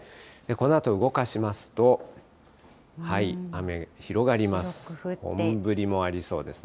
このあと動かしますと、雨、広がります。